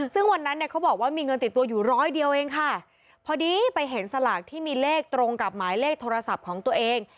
ซึ่งวันนั้นเนี่ยเขาบอกว่ามีเงินติดตัวอยู่ร้อยเดียวเองค่ะพอดีไปเห็นสลากที่มีเลขตรงกับหมายเลขโทรศัพท์ของตัวเอง